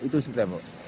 itu sebetulnya apa